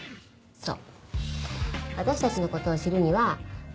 そう。